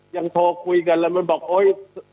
ยังโทรคุยกันแล้วมันบอกโอ๊ย